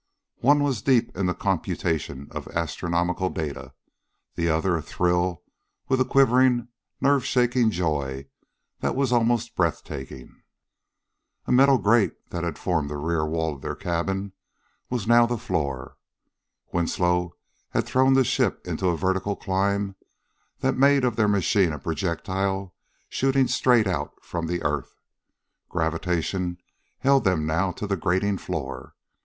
One was deep in the computation of astronomical data; the other athrill with a quivering, nerve shaking joy that was almost breath taking. A metal grating that had formed the rear wall of their cabin was now the floor. Winslow had thrown the ship into a vertical climb that made of their machine a projectile shooting straight out from the earth. Gravitation held them now to the grating floor.